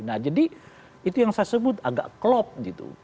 nah jadi itu yang saya sebut agak klop gitu